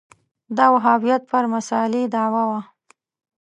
دا وهابیت پر مسألې دعوا وه